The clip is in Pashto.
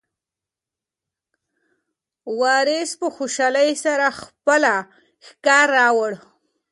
وارث په خوشحالۍ سره خپله ښکار راوړ.